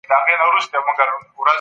زړه مي د اشنا په لاس کي وليدی